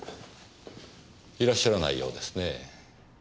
いらっしゃらないようですねぇ。